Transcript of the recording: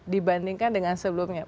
dibandingkan dengan sebelumnya